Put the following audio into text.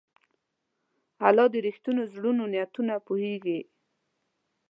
الله د رښتینو زړونو نیتونه پوهېږي.